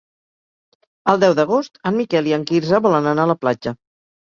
El deu d'agost en Miquel i en Quirze volen anar a la platja.